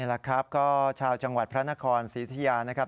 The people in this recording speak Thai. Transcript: นี่ล่ะครับชาวจังหวัดพระนครศิตยานะครับ